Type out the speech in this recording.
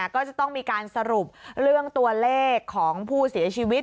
ก็จะต้องมีการสรุปเรื่องตัวเลขของผู้เสียชีวิต